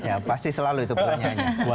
ya pasti selalu itu pertanyaannya